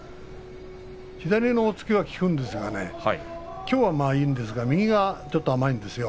左の押っつけが効くんですがきょうはいいんですが右がちょっと甘いんですよ。